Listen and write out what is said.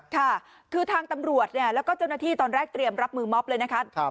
ค่ะคือทางตำรวจเนี่ยแล้วก็เจ้าหน้าที่ตอนแรกเตรียมรับมือมอบเลยนะคะ